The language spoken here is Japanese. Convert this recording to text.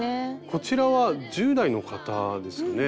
こちらは１０代の方ですね。